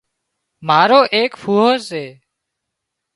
مارو ايڪ ڦُوئو سي